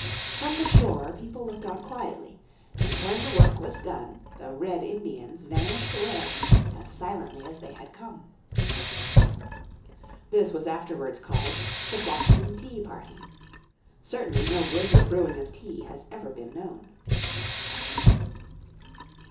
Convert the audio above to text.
From the shore people looked on quietly. And when the work was done the "Red Indians" vanished away as silently as they had come. This was afterwards called the Boston Tea Party. Certainly no greater brewing of tea has ever been known.